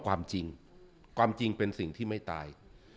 ความจริงความจริงเป็นสิ่งที่ไม่ตาย